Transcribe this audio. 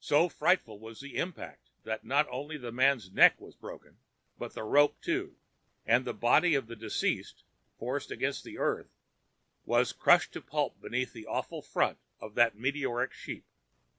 So frightful was the impact that not only the man's neck was broken, but the rope too; and the body of the deceased, forced against the earth, was crushed to pulp beneath the awful front of that meteoric sheep!